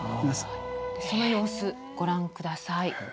その様子ご覧ください。